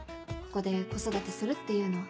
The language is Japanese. ここで子育てするっていうのは。